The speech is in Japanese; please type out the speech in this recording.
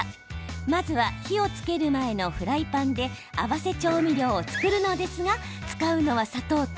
まずは火をつける前のフライパンで合わせ調味料を作るのですが使うのは砂糖と。